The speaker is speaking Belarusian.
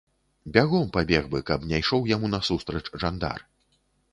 Бягом пабег бы, каб не ішоў яму насустрач жандар.